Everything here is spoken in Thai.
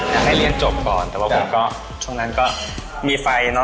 ให้เรียนจบก่อนแต่ว่าผมก็ช่วงนั้นก็มีไฟเนอ